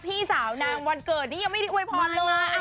พี่สาวนางวันเกิดนี้ยังไม่ได้อวยพรเลย